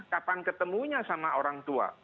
kapan ketemunya sama orang tua